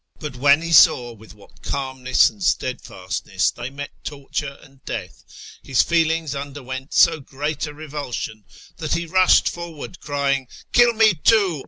But when he saw with what calmness and steadfastness they met torture and death, his feelings imderwent so great a revulsion that he rushed forward crying, " Kill me too